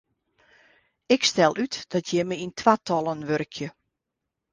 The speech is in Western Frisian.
Ik stel út dat jimme yn twatallen wurkje.